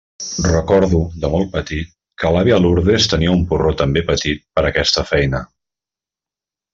Recordo, de molt petit, que l'àvia Lourdes tenia un porró també petit per a aquesta feina.